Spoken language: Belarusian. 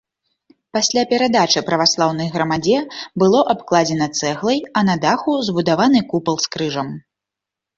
Пасля перадачы праваслаўнай грамадзе было абкладзена цэглай, а на даху збудаваны купал з крыжам.